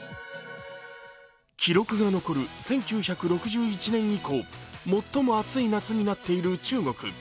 記録が残る１９６１年以降、最も暑い夏になっている中国。